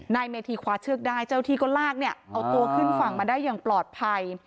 นายเมธีคว้าเชือกได้เจ้าที่ก็ลากเนี่ยเอาตัวขึ้นฝั่งมาได้อย่างปลอดภัย